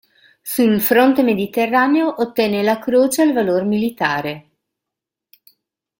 Sul fronte Mediterraneo ottenne la croce al valor militare.